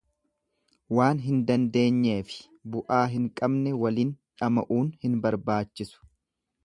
Waan hin dandeenyeefi bu'aa hin qabne walin dhama'uun hin barbaachisu.